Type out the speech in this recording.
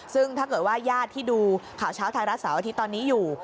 ซึ่งถ้าเกิดว่าญาติที่ดูข่าวเช้าทางรัฐสาวที่ตอนนี้อยู่